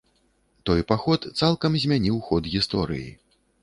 Той паход цалкам змяніў ход гісторыі.